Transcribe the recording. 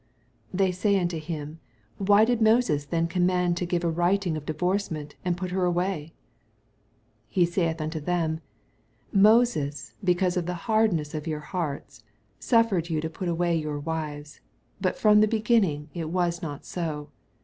7 They say unto him, Why did Moses then command to give a writing of divorcement, and to put her away 1 8 He saith unto them, Moses be cause of the hardness of your hearts suffered you to put away your wives : but from the beginning it was not so.